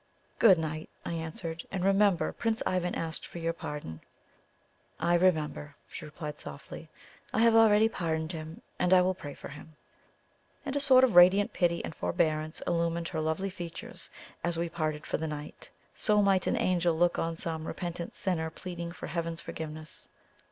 "Good night!" I answered. "And remember Prince Ivan asked for your pardon." "I remember!" she replied softly. "I have already pardoned him, and I will pray for him." And a sort of radiant pity and forbearance illumined her lovely features, as we parted for the night. So might an angel look on some repentant sinner pleading for Heaven's forgiveness.